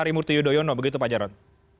harimurti yudhoyono begitu pak jarod